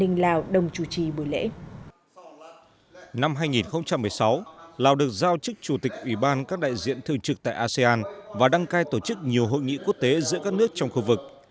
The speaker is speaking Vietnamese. năm hai nghìn một mươi sáu lào được giao chức chủ tịch ủy ban các đại diện thường trực tại asean và đăng cai tổ chức nhiều hội nghị quốc tế giữa các nước trong khu vực